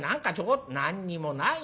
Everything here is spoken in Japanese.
「何にもないよ」。